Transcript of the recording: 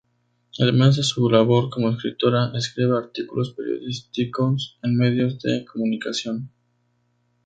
Además de su labor como escritora, escribe artículos periodísticos en medios de comunicación.